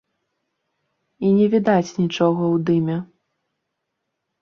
І не відаць нічога ў дыме.